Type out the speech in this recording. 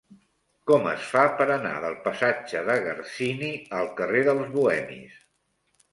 Com es fa per anar del passatge de Garcini al carrer dels Bohemis?